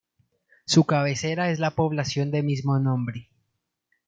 Su cabecera es la población de mismo nombre.